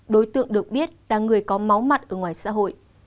đối tượng được biết là người có máu mặn ở ngoài xã hội